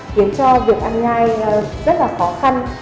khiến cho việc ăn ngai rất là khó khăn